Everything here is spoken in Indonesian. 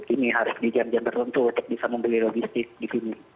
ini harus di jam jam tertentu untuk bisa membeli logistik di sini